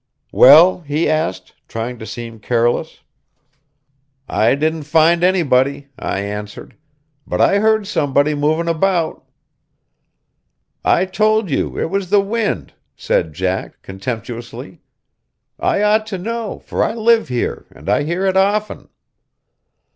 "Well?" he asked, trying to seem careless. "I didn't find anybody," I answered, "but I heard somebody moving about." "I told you it was the wind," said Jack, contemptuously. "I ought to know, for I live here, and I hear it often."